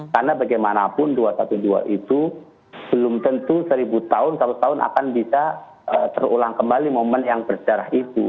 karena bagaimanapun dua ratus dua belas itu belum tentu seribu tahun seratus tahun akan bisa terulang kembali momen yang berjarah itu